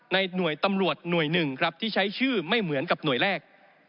ในหน่วยตำรวจหน่วย๑ที่ใช้ชื่อไม่เหมือนกับหน่วยแรก